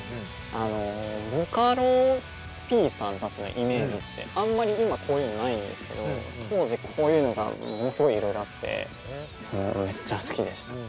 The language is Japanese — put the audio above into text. あのボカロＰさんたちのイメージってあんまり今こういうのないんですけど当時こういうのがものすごいいろいろあってめっちゃ好きでしたね。